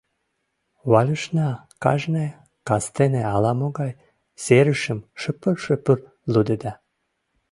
Валюшна кажне кастене ала-могай серышым шыпыр-шыпыр лудеда.